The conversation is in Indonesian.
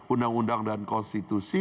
undang undang dan konstitusi